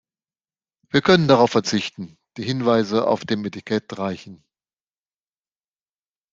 Wir können darauf verzichten, die Hinweise auf dem Etikett reichen.